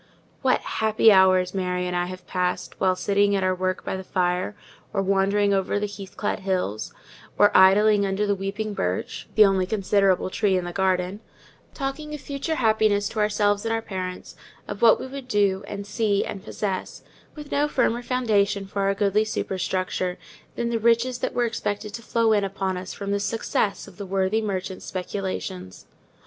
What happy hours Mary and I have passed while sitting at our work by the fire, or wandering on the heath clad hills, or idling under the weeping birch (the only considerable tree in the garden), talking of future happiness to ourselves and our parents, of what we would do, and see, and possess; with no firmer foundation for our goodly superstructure than the riches that were expected to flow in upon us from the success of the worthy merchant's speculations.